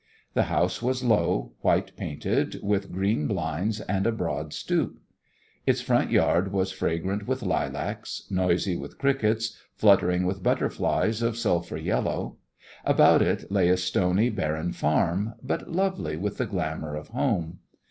The house was low, white painted, with green blinds and a broad stoop. Its front yard was fragrant with lilacs, noisy with crickets, fluttering with butterflies of sulphur yellow. About it lay a stony, barren farm, but lovely with the glamour of home.